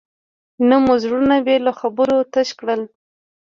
نه مو زړونه بې له خبرو تش کړل.